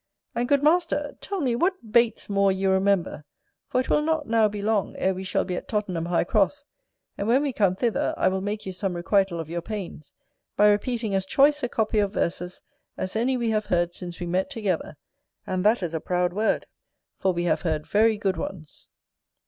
And, good master, tell me what BAITS more you remember; for it will not now be long ere we shall be at Tottenham High Cross; and when we come thither I will make you some requital of your pains, by repeating as choice a copy of Verses as any we have heard since we met together; and that is a proud word, for we have heard very good ones.